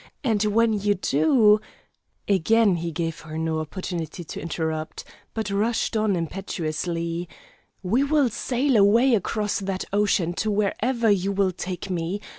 And, when you do " Again he gave her no opportunity to interrupt, but rushed on impetuously: "We will sail away across that ocean to wherever you will take me.